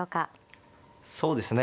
そうですね